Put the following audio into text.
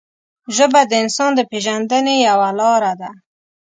ژبه د انسان د پېژندنې یوه لاره ده